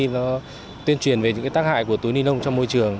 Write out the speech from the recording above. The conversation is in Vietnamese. nó tuyên truyền về những tác hại của túi ni lông trong môi trường